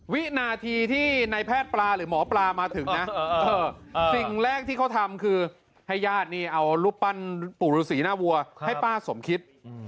วินาทีที่ในแพทย์ปลาหรือหมอปลามาถึงนะสิ่งแรกที่เขาทำคือให้ญาตินี่เอารูปปั้นปู่ฤษีหน้าวัวให้ป้าสมคิด